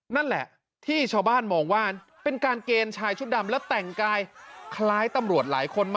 นั่นแหละที่ชาวบ้านมองว่าเป็นการเกณฑ์ชายชุดดำแล้วแต่งกายคล้ายตำรวจหลายคนมาก